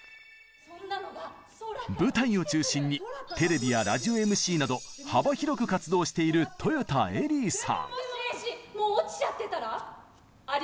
舞台を中心にテレビやラジオＭＣなど幅広く活動している豊田エリーさん。